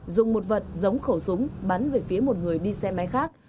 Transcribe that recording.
dùng một vật giống khẩu súng bắn về phía một người đi xe máy khác